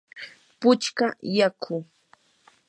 puchka yaku.